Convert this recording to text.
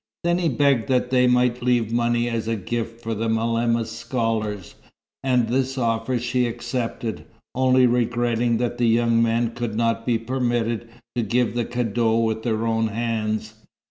Then he begged that they might leave money as a gift for the malema's scholars, and this offer she accepted, only regretting that the young men could not be permitted to give the cadeau with their own hands.